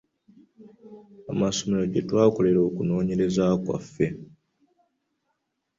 Amasomero gye etwakolera okunoonyereza kwaffe.